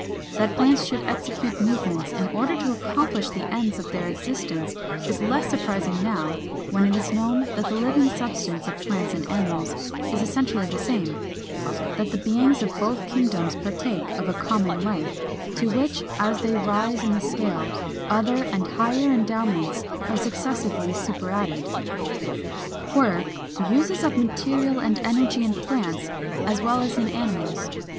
That plants should execute movements in order to accomplish the ends of their existence is less surprising now when it is known that the living substance of plants and animals is essentially the same; that the beings of both kingdoms partake of a common life, to which, as they rise in the scale, other and higher endowments are successively superadded. 480. =Work uses up material and energy= in plants as well as in animals.